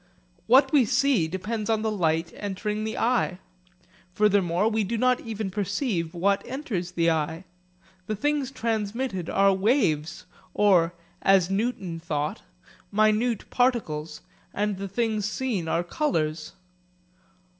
What we see depends on the light entering the eye. Furthermore we do not even perceive what enters the eye. The things transmitted are waves or as Newton thought minute particles, and the things seen are colours.